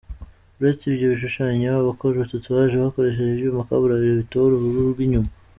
Uretse ibyo bishushanyaho, abakora tatouage bakoresha ibyuma kabuhariwe bitobora uruhu rw’inyuma.